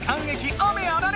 雨あられ！